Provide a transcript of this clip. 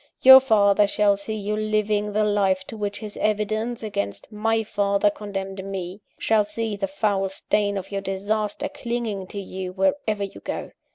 _ Your father shall see you living the life to which his evidence against my father condemned me shall see the foul stain of your disaster clinging to you wherever you go.